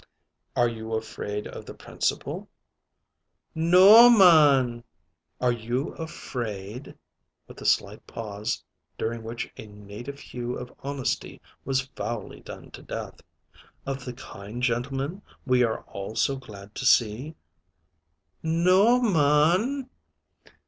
"Are you afraid of the Principal?" "N o o oh m a a an." "Are you afraid," with a slight pause, during which a native hue of honesty was foully done to death "of the kind gentleman we are all so glad to see?" "N o o oh m a a an."